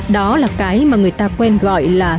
đó là cái mà người ta quen gọi là